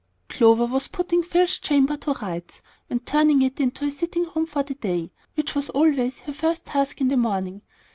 Clover was putting Phil's chamber to rights, and turning it into a sitting room for the day, which was always her first task in the morning.